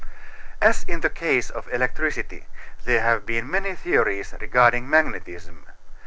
As in the case of electricity there have been many theories regarding magnetism.